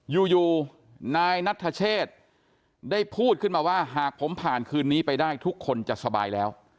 อยู่นายนัทเชษได้พูดขึ้นมาว่าหากผมผ่านคืนนี้ไปได้ทุกคนจะสบายแล้ว